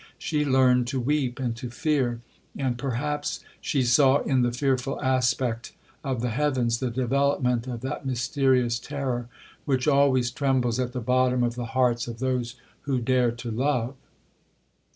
She learned to weep and to fear; and perhaps she saw, in the fearful aspect of the heavens, the developement of that mysterious terror, which always trembles at the bottom of the hearts of those who dare to love.